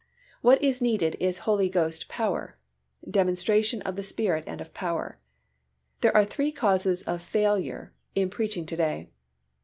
What is needed is Holy Ghost power, "demonstration of the Spirit and of power." There are three causes of failure in preaching to day.